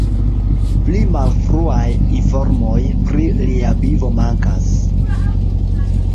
Pli malfruaj informoj pri lia vivo mankas.